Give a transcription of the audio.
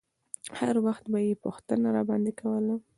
هر وخت به يې پوښتنه راباندې کوله.